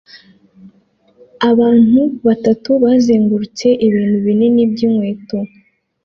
Abantu batatu bazengurutse ibintu binini byinkweto